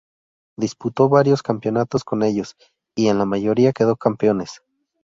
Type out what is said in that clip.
Disputó varios campeonatos con ellos y en la mayoría quedó campeones.